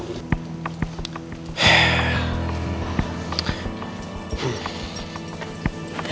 tapi aku juga sabar